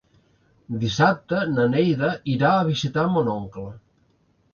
Dissabte na Neida irà a visitar mon oncle.